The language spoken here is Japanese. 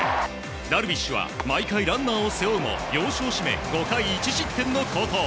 ダルビッシュは毎回ランナーを背負うも要所を締め５回１失点の好投。